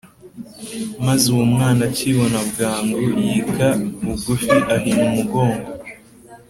Maze uwo mwana akibona bwangu, Yika bugufi ahina umugongo